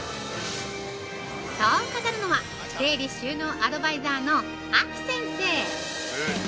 ◆そう語るのは、整理収納アドバイザーのａｋｉ先生。